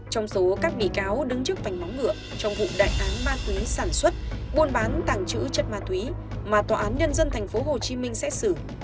trong số các bị cáo đứng trước vảnh móng ngựa trong vụ đại án ma túy sản xuất buôn bán tàng trữ chất ma túy mà tòa án nhân dân tp hcm xét xử